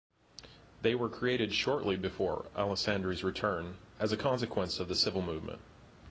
They were created shortly before Alessandri's return, as a consequence of the civil movement.